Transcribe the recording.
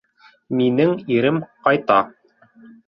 — Минең ирем ҡайта.